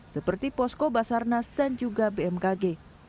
seperti posko basarnas dan juga bmkg